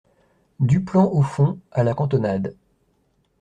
Duplan au fond , à la cantonade.